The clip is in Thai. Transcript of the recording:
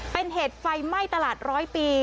เป็นเหตุไฟไหม้ตลาดร้อยปี